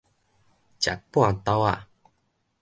食半晝仔